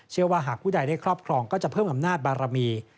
หากผู้ใดได้ครอบครองก็จะเพิ่มอำนาจบารมี